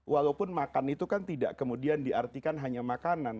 walaupun makan itu kan tidak kemudian diartikan hanya makanan